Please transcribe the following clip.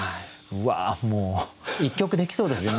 うわもう１曲できそうですよ